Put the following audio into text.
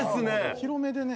広めでね。